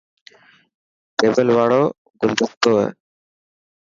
ٽيبل واڙو گلدستو هي.